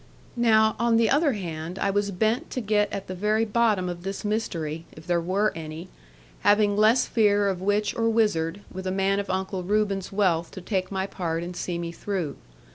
Now, on the other hand, I was bent to get at the very bottom of this mystery (if there were any), having less fear of witch or wizard, with a man of Uncle Reuben's wealth to take my part, and see me through.